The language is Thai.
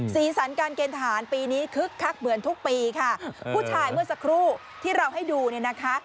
สีสันการเกณฑหารปีนี้คึกคักเหมือนทุกปีค่ะผู้ชายเมื่อสักครู่ที่เราให้ดูเนี่ยนะคะ